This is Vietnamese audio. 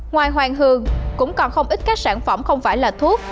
ngoài hoàng hương cũng còn không ít các sản phẩm không phải là thuốc